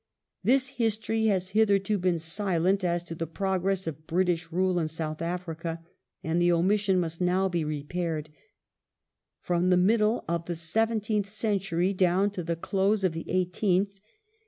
This history has hitherto been silent as to the progi*ess of British rule in South Africa, and the omission must now be re paired. From the middle of the seventeenth century down to the close of the eighteenth.